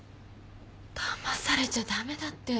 だまされちゃ駄目だって。